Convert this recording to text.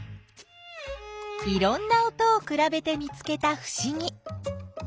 いろんな音をくらべて見つけたふしぎ。